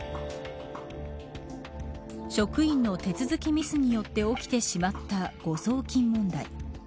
職員の手続きミスによって起きてしまった誤送金問題。